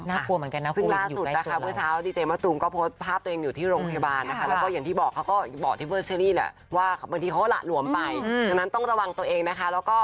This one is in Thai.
หลวมกันไปใจหน้าต้องรักมือบ่อย